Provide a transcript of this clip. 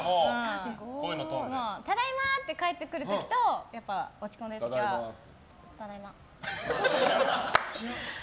ただいま！って帰ってくる時と落ち込んでいる時はただいまって。